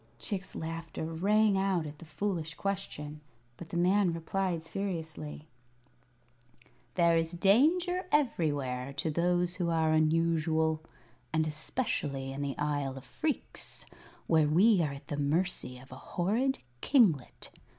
Chick's laughter rang out at the foolish question, but the man replied seriously: "There is danger everywhere, to those who are unusual, and especially in the Isle of Phreex, where we are at the mercy of a horrid kinglet.